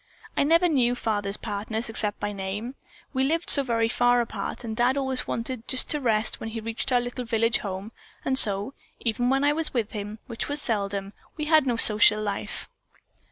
I never knew father's partners except by name. We lived so very far apart and Dad always wanted to just rest when he reached our village home, and so, even when I was with him, which was seldom, we had no social life."